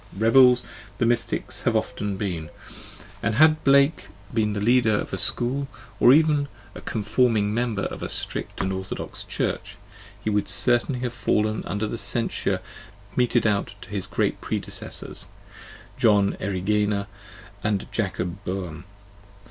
Rebels the mystics have often been, and xvi had Blake been the leader of a school, or even a conforming member of a strict and orthodox church, he would certainly have fallen under the censure meted out to his great predecessors, John Erigena and Jacob Boehme.